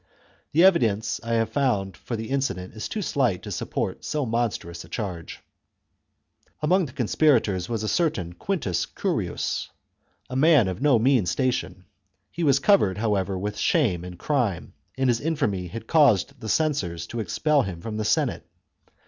The evidence I have found for the incident is too slight to support so monstrous a charge. xxm" Among the conspirators was a certain Quintus Curius, a man of no mean station ; he was covered, however, with shame and crime, and his infamy had caused the censors to expel him from the Senate.